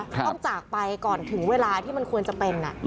ต้องจากไปก่อนถึงเวลาที่มันควรจะเป็น